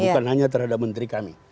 bukan hanya terhadap menteri kami